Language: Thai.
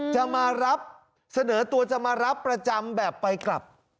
จะมารับเสนอตัวจะมารับประจำแบบไปกลับ